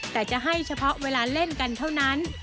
แต่จะให้เฉพาะเวลาเล่นกันเท่านั้น